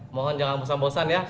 mohon jangan bosan bosan ya